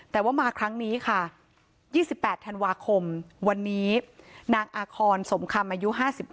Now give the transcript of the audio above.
แต่ว่ามาครั้งนี้ค่ะ๒๘ธันวาคมวันนี้นางอาคอนสมคำอายุ๕๘